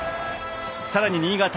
さらに新潟。